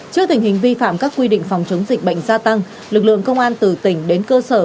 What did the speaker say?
trước tình hình vi phạm các quy định phòng chống dịch bệnh gia tăng lực lượng công an từ tỉnh đến cơ sở